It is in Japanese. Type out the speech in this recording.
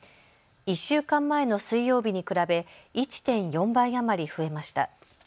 １週間前の水曜日に比べ１．４倍余り増えました。